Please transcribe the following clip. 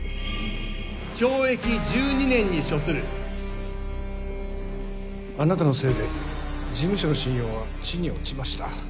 懲役１２年に処するあなたのせいで事務所の信用は地に落ちました。